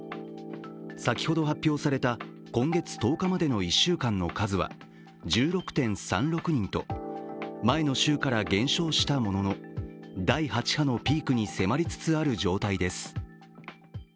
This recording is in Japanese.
先ほど発表された今月１０日までの１週間の数は１６．３６人と前の週から減少したものの第８波のピークに迫りつつある状態です。